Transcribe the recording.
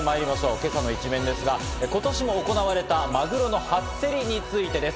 今朝の一面ですが今年も行われたマグロの初競りについてです。